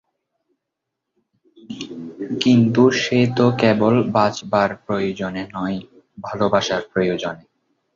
কিন্তু সে তো কেবল বাঁচবার প্রয়োজনে নয়, ভালোবাসার প্রয়োজনে।